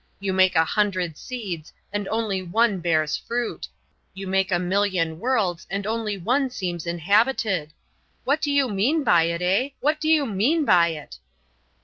You make a hundred seeds and only one bears fruit. You make a million worlds and only one seems inhabited. What do you mean by it, eh? What do you mean by it?"